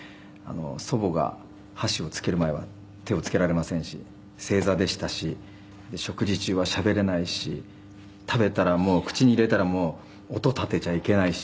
「祖母が箸をつける前は手をつけられませんし正座でしたしで食事中はしゃべれないし食べたらもう口に入れたらもう音立てちゃいけないし」